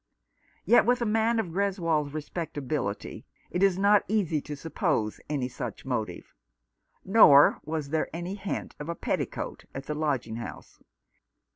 Yet with a man of Greswold's respectability it is not easy to suppose any such motive ; nor was there any hint of a petticoat at the lodging house.